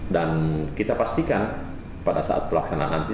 dan kita pastikan pada saat pelaksanaan nanti